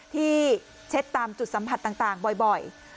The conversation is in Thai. เช็ดตามจุดสัมผัสต่างบ่อย